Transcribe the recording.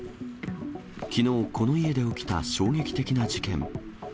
きのう、この家で起きた衝撃的な事件。